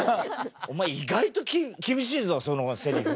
お前意外と厳しいぞそのセリフ。